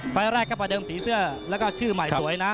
แรกก็ประเดิมสีเสื้อแล้วก็ชื่อใหม่สวยนะ